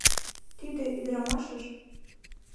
Тиде ӱдырамашыж..